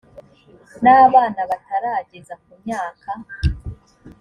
n abana batarageza ku myaka